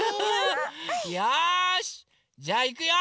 よしじゃあいくよ！